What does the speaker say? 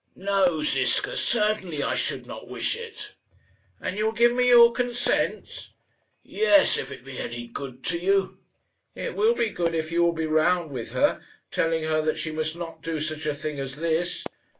"No, Ziska; certainly I should not wish it." "And you will give me your consent?" "Yes, if it be any good to you." "It will be good if you will be round with her, telling her that she must not do such a thing as this.